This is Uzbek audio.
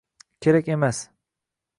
Kerak emas.